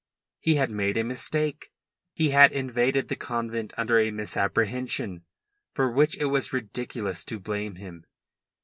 He had made a mistake. He had invaded the convent under a misapprehension, for which it was ridiculous to blame him.